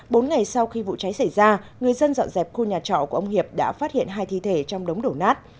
bốn ngày sau khi vụ cháy xảy ra người dân dọn dẹp khu nhà trọ của ông hiệp đã phát hiện hai thi thể trong đống đổ nát